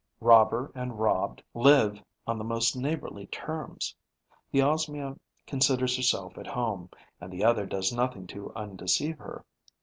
Robber and robbed live on the most neighbourly terms. The Osmia considers herself at home; and the other does nothing to undeceive her.